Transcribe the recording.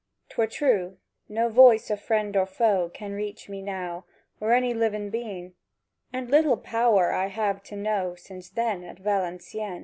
'Twer true. No voice o' friend or foe Can reach me now, or any livèn beën; And little have I power to know Since then at Valencieën!